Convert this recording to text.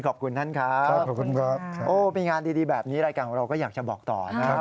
ขอบคุณท่านครับขอบคุณครับโอ้มีงานดีแบบนี้รายการของเราก็อยากจะบอกต่อนะครับ